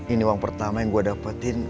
ini uang pertama yang gue dapetin